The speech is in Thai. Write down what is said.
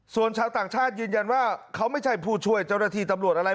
ส่วนชาวต่างชาติยืนยันว่าเขาไม่ใช่ผู้ช่วยเจ้าหน้าที่ตำรวจอะไร